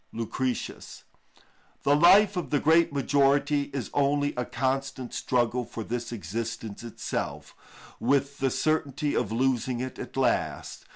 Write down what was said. _"—LUCR. ii. 15. The life of the great majority is only a constant struggle for this existence itself, with the certainty of losing it at last.